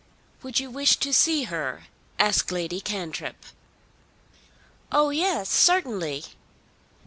"Would you wish to see her?" asked Lady Cantrip. "Oh yes; certainly."